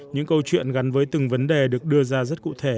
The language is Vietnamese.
những câu chuyện gắn với từng vấn đề được đưa ra rất cụ thể